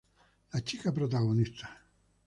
La chica protagonista.